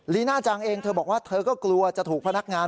ลีน่าจังเองเธอบอกว่าเธอก็กลัวจะถูกพนักงาน